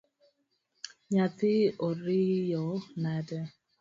Nyathi oriyo nade?